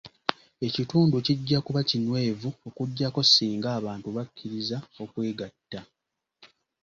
Ekitundu kijja kuba kinywevu okuggyako singa abantu bakiriza okwegatta.